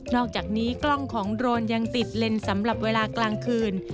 อกจากนี้กล้องของโรนยังติดเลนส์สำหรับเวลากลางคืน